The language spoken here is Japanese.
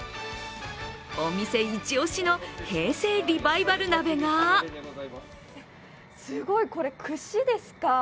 お店イチオシの平成リバイバル鍋がすごい、これ、串ですか。